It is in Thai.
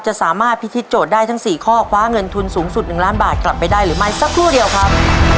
จะสามารถพิธีโจทย์ได้ทั้ง๔ข้อคว้าเงินทุนสูงสุด๑ล้านบาทกลับไปได้หรือไม่สักครู่เดียวครับ